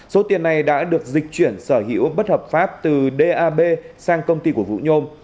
số tiền này đã được dịch chuyển sở hữu bất hợp pháp từ dap sang công ty của vũ nhôm